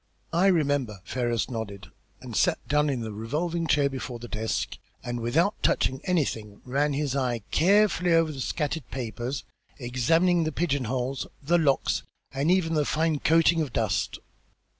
"I remember," Ferrars nodded, and sat down in the revolving chair before the desk, and, without touching anything, ran his eye carefully over the scattered papers, examined the pigeon holes, the locks, and even the fine coating of dust.